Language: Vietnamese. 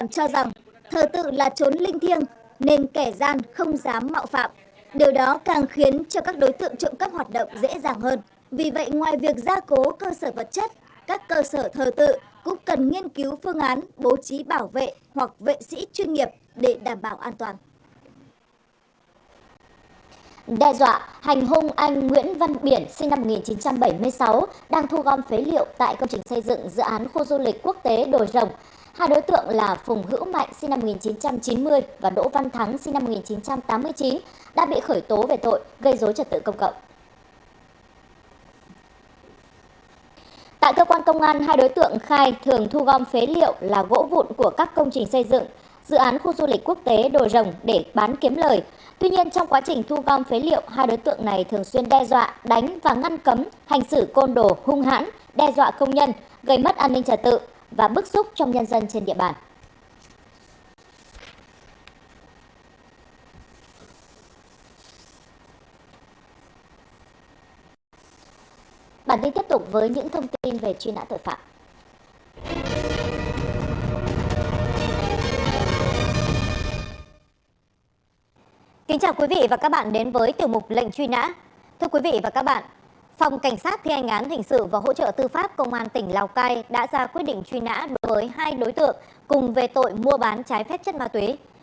phòng cảnh sát ghi anh án hình sự và hỗ trợ tư pháp công an tỉnh lào cai đã ra quyết định truy nã đối với hai đối tượng cùng về tội mua bán trái phép chất ma túy